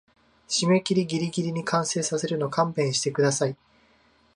締切ギリギリに完成させるの勘弁してください